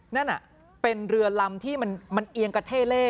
นั่นเป็นเรือลำที่มันเอียงกระเท่เล่